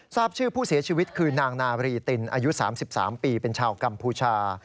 ทราบชื่อผู้เสียชีวิตคือนางนารีตินอายุ๓๓ปีเป็นชาวกัมพูชา